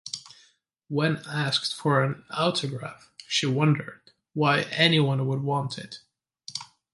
When asked for an autograph, she wondered why anyone would want it.